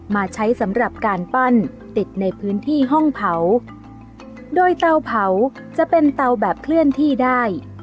มาใช้สำหรับการปั้นติดในพื้นที่ห้องเผาโดยเตาเผาจะเป็นเตาแบบเคลื่อนที่ได้